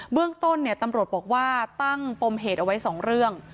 เรื่องต้นตำรวจบอกว่าตั้งปมเหตุเอาไว้๒เรื่อง